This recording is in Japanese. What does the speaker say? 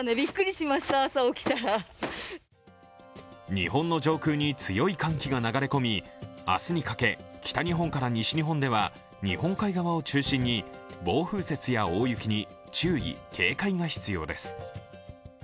日本の上空に強い寒気が流れ込み明日にかけ、北日本から西日本では日本海側を中心に暴風雪や大雪に注意・警戒が必要です。